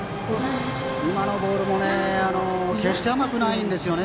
今のボールも決して甘くはないんですよね。